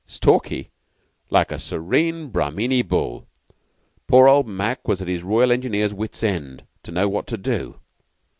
"Stalky? Like a serene Brahmini bull. Poor old Mac was at his Royal Engineers' wits' end to know what to do.